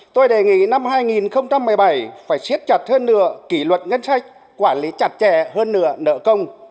tôi đề nghị năm hai nghìn một mươi bảy phải siết chặt hơn nữa kỷ luật ngân sách quản lý chặt chẽ hơn nữa nợ công